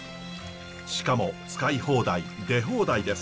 しかも使い放題出放題です。